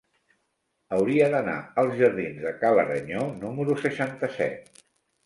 Hauria d'anar als jardins de Ca l'Aranyó número seixanta-set.